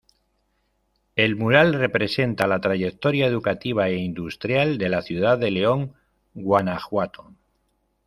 El mural representa la trayectoria educativa e industrial de la ciudad de León, Guanajuato.